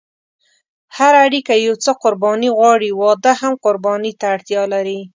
هره اړیکه یو څه قرباني غواړي، واده هم قرباني ته اړتیا لري.